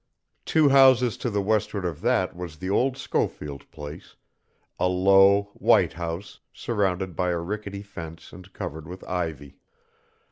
Two houses to the westward of that was the old Schofield place, a low, white house surrounded by a rickety fence and covered with ivy.